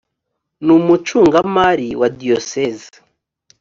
n umucungamari wa diyoseze